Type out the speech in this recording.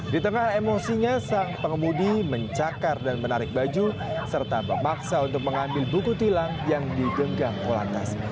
di tengah emosinya sang pengemudi mencakar dan menarik baju serta memaksa untuk mengambil buku tilang yang digenggam kolantas